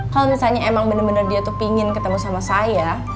kalau misalnya emang bener bener dia tuh ingin ketemu sama saya